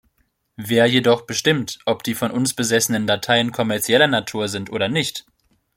Wer jedoch bestimmt, ob die von uns besessenen Dateien kommerzieller Natur sind oder nicht?